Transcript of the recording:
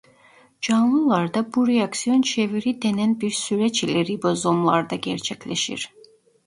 Canlılarda bu reaksiyon çeviri denen bir süreç ile ribozomlarda gerçekleşir.